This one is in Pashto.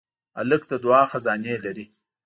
هلک د دعا خزانې لري.